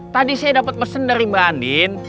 tadi saya dapet pesen dari mba andin